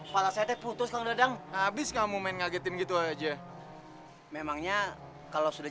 pala saya putus langgeng habis kamu main ngagetin gitu aja memangnya kalau sudah